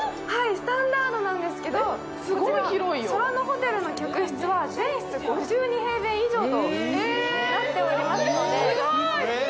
スタンダードなんですけど、ＳＯＲＡＮＯＨＯＴＥＬの客室は全室５２平米以上となっております。